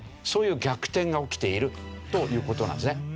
そういう逆転が起きているという事なんですね。